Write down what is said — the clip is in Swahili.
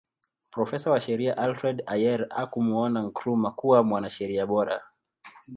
Profesa wa sheria Alfred Ayer hakumuona Nkrumah kuwa mwanasheria bora